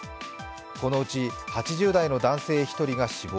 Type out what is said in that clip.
このうち、８０代の男性１人が死亡。